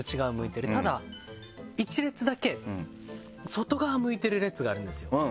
ただ１列だけ外側向いてる列があるんですよ。